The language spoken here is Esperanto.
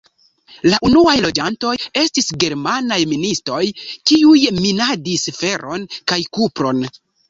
La unuaj loĝantoj estis germanaj ministoj, kiuj minadis feron kaj kupron.